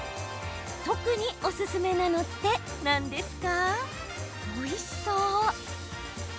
特におすすめなのって何ですか？